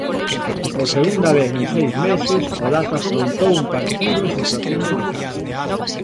E por segunda vez en seis meses, Olaza afrontou un partido en situación delicada.